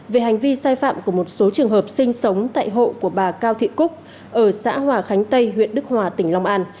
về hành vi sai phạm của một số trường hợp sinh sống tại hộ của bà cao thị cúc ở xã hòa khánh tây huyện đức hòa tỉnh long an